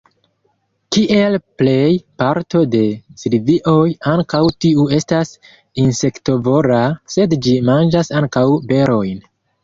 Kiel plej parto de silvioj, ankaŭ tiu estas insektovora, sed ĝi manĝas ankaŭ berojn.